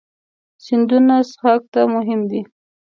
سیندونه څښاک ته مهم دي.